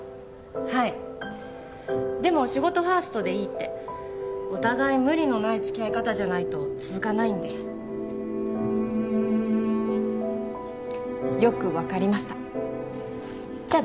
はいでも仕事ファーストでいいってお互い無理のない付き合い方じゃないと続かないんでよく分かりましたじゃ